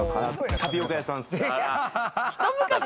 タピオカ屋さんすっね。